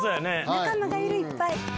仲間がいるいっぱい。